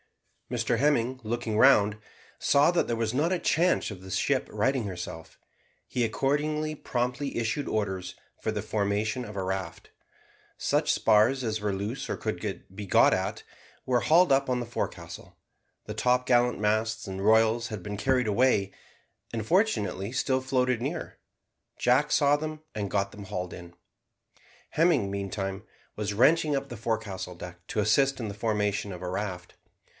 Mr Hemming, looking round, saw that there was not a chance of the ship righting herself. He accordingly promptly issued orders for the formation of a raft. Such spars as were loose or could be got at, were hauled up on the forecastle. The topgallant masts and royals had been carried away, and fortunately still floated near; Jack saw them and got them hauled in. Hemming, meantime, was wrenching up the forecastle deck to assist in the formation of a raft.